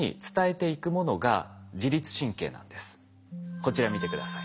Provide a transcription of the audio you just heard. こちら見て下さい。